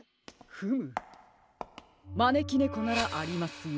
フムまねきねこならありますよ。